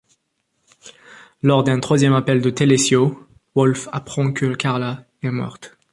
Lors d'un troisième appel de Telesio, Wolfe apprend que Carla est morte.